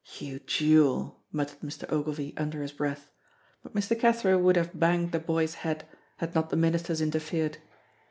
"You jewel!" muttered Mr. Ogilvy under his breath, but Mr. Cathro would have banged the boy's head had not the ministers interfered.